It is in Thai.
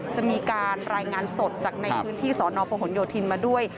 จะมีการรายงานสดจากในพื้นที่สอนอประหลโยธินมาด้วย